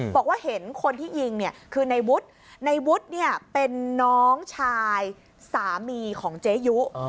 บอกว่าเห็นคนที่ยิงเนี่ยคือในวุฒิในวุฒิเนี่ยเป็นน้องชายสามีของเจ๊ยุ